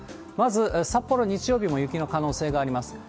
まず札幌、日曜日も雪の可能性があります。